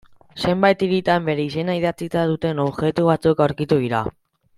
Zenbait hiritan, bere izena idatzia duten objektu batzuk aurkitu dira.